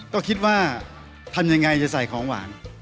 ก็คิดว่าต้องทำอย่างไรหากจะส่งของของหวาน